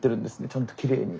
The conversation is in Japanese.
ちゃんときれいに。